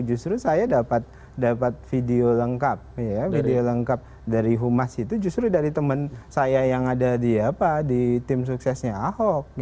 justru saya dapat video lengkap video lengkap dari humas itu justru dari teman saya yang ada di tim suksesnya ahok